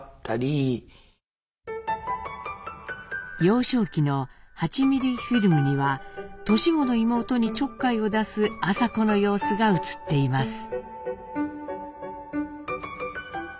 幼少期の８ミリフィルムには年子の妹にちょっかいを出す麻子の様子が映っています。